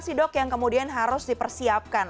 sih dok yang kemudian harus dipersiapkan